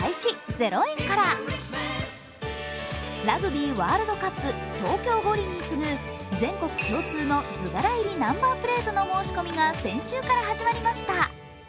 ラグビーワールドカップ、東京五輪に次ぐ全国共通の図柄入りナンバープレートの申し込みが先週から始まりました。